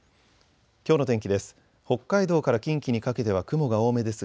きょうの天気です。